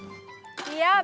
buat sekali tante